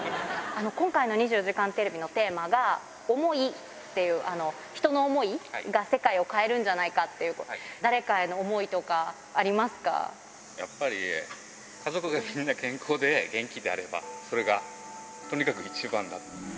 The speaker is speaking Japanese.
今回の２４時間テレビのテーマが、想いっていう、人の想いが世界を変えるんじゃないかっていうことやっぱり、家族がみんな健康で元気であれば、それがとにかく一番だと。